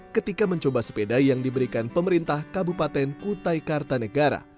ketika mencoba sepeda yang diberikan pemerintah kabupaten kutai kartanegara